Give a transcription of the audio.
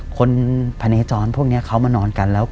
คนพะเนจรพวกนี้เขามานอนกันแล้ว